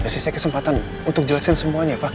pasti saya kesempatan untuk jelasin semuanya pak